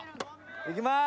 いきます。